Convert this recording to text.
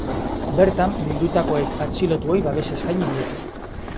Bertan bildutakoek atxilotuei babesa eskaini diete.